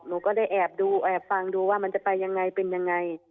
หนูก็ได้แอบดูแอบฟังดูว่ามันจะไปยังไงเป็นยังไง